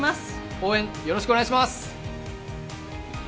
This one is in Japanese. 応援、よろしくお願いします。